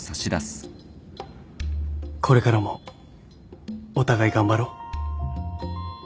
これからもお互い頑張ろう。